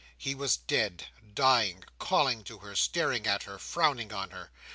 He was dead, dying, calling to her, staring at her, frowning on her.